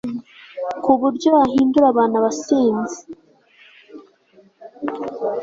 ku buryo ahindura abantu abasinzi